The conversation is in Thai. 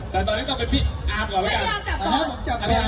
แต่ตอนนี้ก็เป็นพี่อาร์ฟก่อน